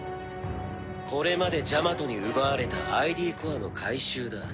これまでジャマトに奪われたＩＤコアの回収だ。